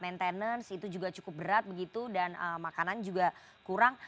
maintenance itu juga cukup berat begitu dan makanan juga kurang